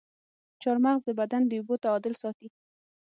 چارمغز د بدن د اوبو تعادل ساتي.